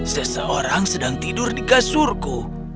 seseorang sedang tidur di kasurku